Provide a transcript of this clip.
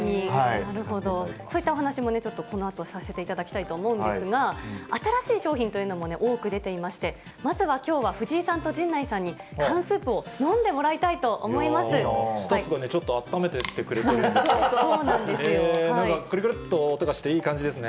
なるほど、そういったお話も、ちょっとこのあとさせていただきたいと思うんですが、新しい商品というのも多く出ていまして、まずはきょうは藤井さんと陣内さんに缶スープを飲んでもらいたいスタッフがね、ちょっとあっためてきてくれてるんですね。